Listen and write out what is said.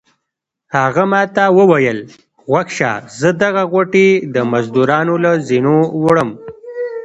هغه ما ته وویل غوږ شه زه دغه غوټې د مزدورانو له زینو وړم.